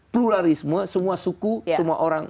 pluralisme semua suku semua orang